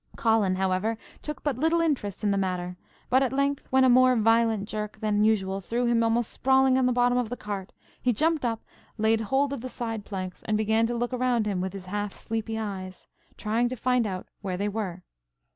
Colin, however, took but little interest in the matter; but at length, when a more violent jerk than usual threw him almost sprawling on the bottom of the cart, he jumped up, laid hold of the side planks, and began to look around him with his half sleepy eyes, trying to find out where they were.